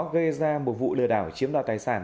gây ra một vụ lừa đảo chiếm đoạt tài sản